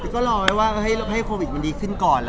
ก็รอไว้ว่าให้โควิดมันดีขึ้นก่อน